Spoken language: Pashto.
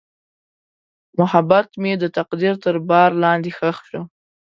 محبت مې د تقدیر تر بار لاندې ښخ شو.